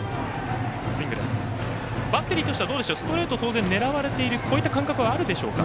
バッテリーとしてはストレート狙われているこういう感覚あるでしょうか。